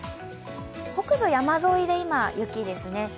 北部山沿いで今、雪ですね。